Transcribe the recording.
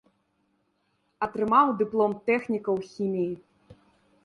Атрымаў дыплом тэхніка ў хіміі.